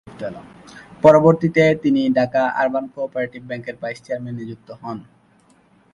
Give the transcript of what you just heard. পরবর্তীতে তিনি Dhaka urban cooperative ব্যাংকের ভাইস চেয়ারম্যান নিযুক্ত হন।